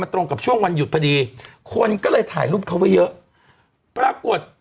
ตรงกับช่วงวันหยุดพอดีคนก็เลยถ่ายรูปเขาไว้เยอะปรากฏ